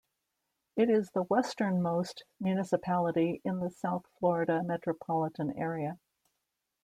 It is the westernmost municipality in the South Florida metropolitan area.